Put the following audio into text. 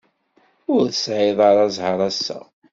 Ur tesɛiḍ ara ẓẓher assa.